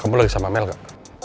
kamu lagi sama mel gak